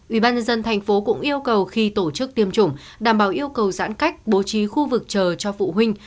ủy ban nhân dân tp hcm cũng yêu cầu khi tổ chức tiêm chủng đảm bảo yêu cầu giãn cách bố trí khu vực chờ cho phụ huynh